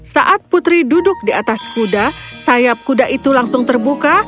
saat putri duduk di atas kuda sayap kuda itu langsung terbuka